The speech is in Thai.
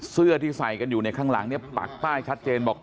เสื้อที่ใส่กันอยู่ในข้างหลังเนี่ยปักป้ายชัดเจนบอก